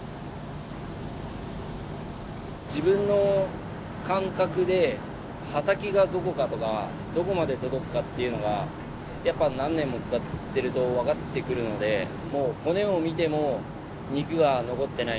自分の感覚で刃先がどこかとかどこまで届くかっていうのがやっぱ何年も使ってると分かってくるのでもう骨を見ても肉が残ってない。